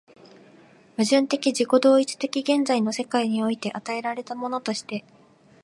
矛盾的自己同一的現在の世界において与えられたものとして、